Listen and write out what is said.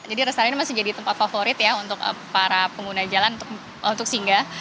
jadi rest area ini masih jadi tempat favorit ya untuk para pengguna jalan untuk singgah